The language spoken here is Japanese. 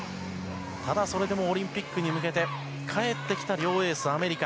ただ、それでもオリンピックに向けて帰ってきた両エース、アメリカ。